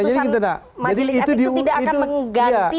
majelis etik itu tidak akan mengubah